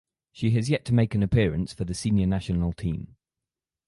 She has yet to make an appearance for the senior national team.